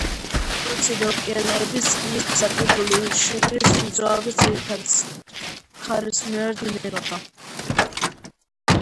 ზღვებისა და ოკეანეების წყლის ზედაპირული შრის მოძრაობის ძირითადი სახეა ქარისმიერი დინება.